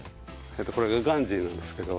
これがガンジーなんですけど。